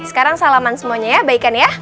sekarang salaman semuanya ya baik baik ya